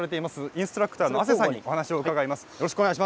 インストラクターの阿瀬さんに伺います。